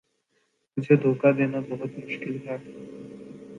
مجھے دھوکا دینا بہت مشکل ہے